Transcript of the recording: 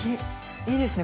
いいですね